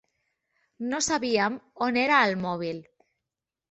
No sabíem on era el mòbil.